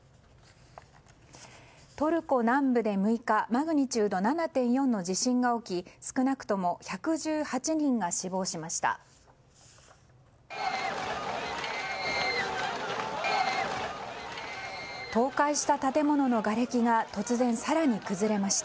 トルコ南部で６日マグニチュード７．４の地震が起き、少なくとも１１８人が死亡しました。